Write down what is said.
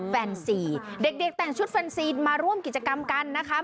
แฟนซีเด็กแต่งชุดแฟนซีนมาร่วมกิจกรรมกันนะคะ